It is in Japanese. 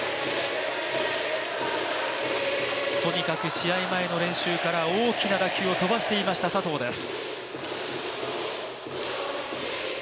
とにかく試合前の練習から大きな打球を飛ばしていました佐藤です。